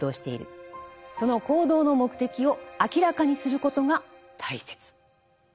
その行動の目的を明らかにすることが大切。